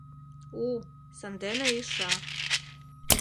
У, сандене иша.